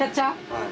はい。